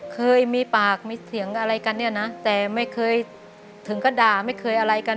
เคยมีปากมีเสียงอะไรกันเนี่ยนะแต่ไม่เคยถึงก็ด่าไม่เคยอะไรกัน